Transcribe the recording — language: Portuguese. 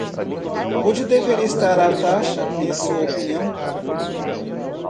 Onde deveria estar a taxa, em sua opinião?